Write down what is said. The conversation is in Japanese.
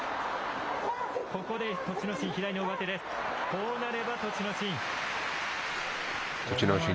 ここで栃ノ心、左の上手で、こうなれば栃ノ心。